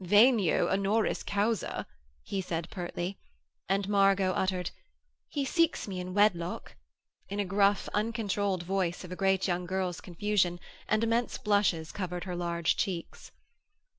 'Venio honoris causa,' he said pertly, and Margot uttered, 'He seeks me in wedlock,' in a gruff, uncontrolled voice of a great young girl's confusion, and immense blushes covered her large cheeks.